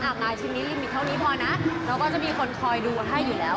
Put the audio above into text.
ไลน์ชิ้นนี้ลิมิตเท่านี้พอนะเราก็จะมีคนคอยดูให้อยู่แล้ว